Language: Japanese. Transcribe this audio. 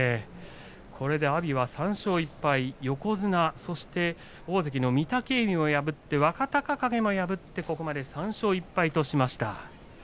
これで阿炎は３勝１敗横綱、そして大関の御嶽海を破って若隆景も破ってここまで３勝１敗としました。